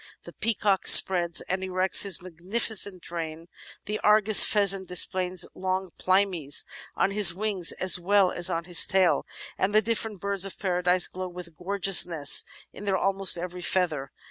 The Peacock spreads and erects his magnificent train, the Argus Pheasant displays long plimies on his wings as well as on his tail, and the different Birds of Paradise glow with gorgeousness in their almost every feather.